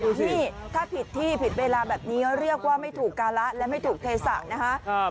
ที่ถ้าผิดที่ผิดเวลาแบบนี้เรียกว่าไม่ถูกการะและไม่ถูกเทศะนะคะ